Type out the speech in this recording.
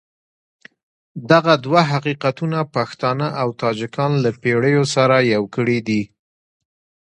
دغه دوه حقیقتونه پښتانه او تاجکان له پېړیو سره يو کړي دي.